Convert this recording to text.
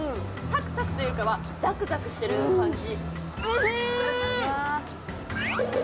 サクサクというよりかはザクザクしてる感じ。